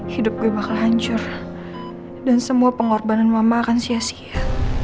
hidup gue bakal hancur dan semua pengorbanan mama akan sia sia